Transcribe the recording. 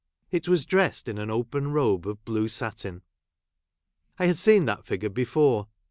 It was dressed in an open robe of blue satin. I had seen that figure before.